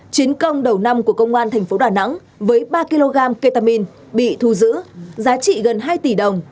chiến công đầu năm của công an thành phố đà nẵng với ba kg ketamine bị thu giữ giá trị gần hai tỷ đồng